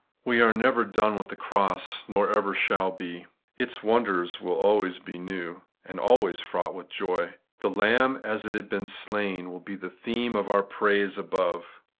We are never done with the cross, nor ever shall be. Its wonders will be always new, and always fraught with joy. 'The Lamb as it had been slain ' will be the theme of our praise above.